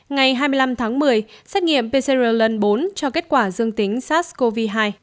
ngày hai mươi năm tháng một mươi xét nghiệm pcr lần bốn cho kết quả dương tính sars cov hai